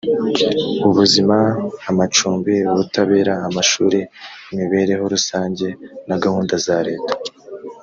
ubuzima amacumbi ubutabera amashuri imibereho rusange na gahunda za leta